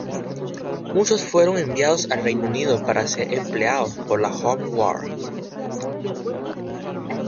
Muchos fueron enviados al Reino Unido para ser empleados por la Home Guard.